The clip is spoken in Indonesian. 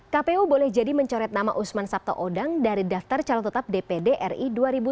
kpu boleh jadi mencoret nama usman sabtaodang dari daftar calon tetap dpd ri dua ribu tujuh belas